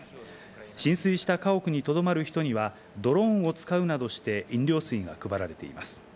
浸水した家屋にとどまる人にはドローンを使うなどして飲料水が配られています。